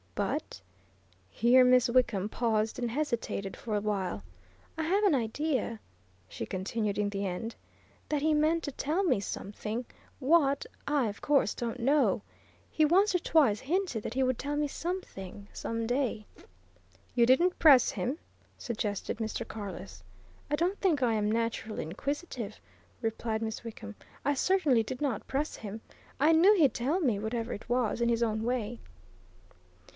But," here Miss Wickham paused and hesitated for a while, "I have an idea," she continued in the end, "that he meant to tell me something what, I, of course, don't know. He once or twice hinted that he would tell me something, some day." "You didn't press him?" suggested Mr. Carless. "I don't think I am naturally inquisitive," replied Miss Wickham. "I certainly did not press him. I knew he'd tell me, whatever it was, in his own way."